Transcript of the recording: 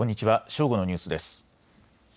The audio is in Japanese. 正午のニュースです。